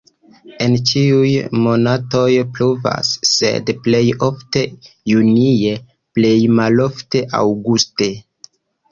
En ĉiuj monatoj pluvas, sed plej ofte junie, plej malofte aŭguste.